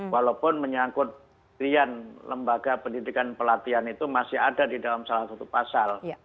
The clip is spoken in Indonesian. walaupun menyangkut pendidikan lembaga pendidikan pelatihan itu masih ada di dalam salah satu pasal